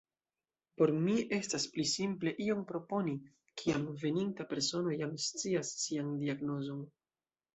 Por mi estas pli simple ion proponi, kiam veninta persono jam scias sian diagnozon.